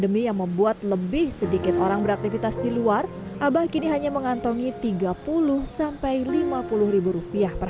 membuat lebih sedikit orang beraktivitas di luar abah kini hanya mengantongi tiga puluh lima puluh ribu rupiah per